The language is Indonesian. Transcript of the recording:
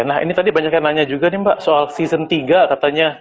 nah ini tadi banyak yang nanya juga nih mbak soal season tiga katanya